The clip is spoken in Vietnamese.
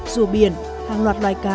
rùa biển hàng loạt loài cá